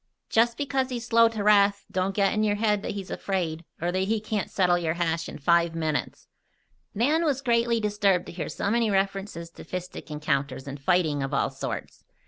Just because he's slow to wrath, don't you get it in your head that he's afraid, or that he can't settle your hash in five minutes." Nan was greatly disturbed to hear so many references to fistic encounters and fighting of all sorts.